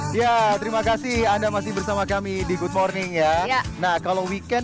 hai yang pernah lelah ya terima kasih anda masih bersama kami di good morning ya nah kalau weekend